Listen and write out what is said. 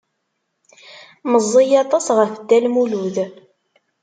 Meẓẓiy aṭas ɣef Dda Lmulud.